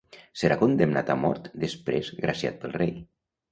Serà condemnat a mort després graciat pel rei.